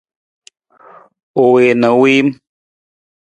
U wii na u wiim.